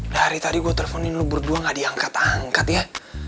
dari tadi gua teleponin lu berdua gak diangkat angkat ya